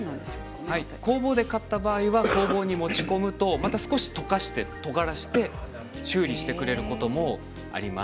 工房で買った場合は持ち込むとまた少し溶かして、とがらせて修理してくれることもあります。